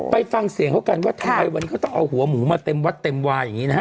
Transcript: ไปฟังเสียงเขากันว่าทำไมวันนี้เขาต้องเอาหัวหมูมาเต็มวัดเต็มวาอย่างนี้นะฮะ